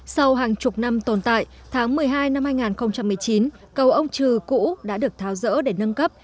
sau hàng chục năm tồn tại tháng một mươi hai năm hai nghìn một mươi chín cầu ông trừ cũ đã được tháo rỡ để nâng cấp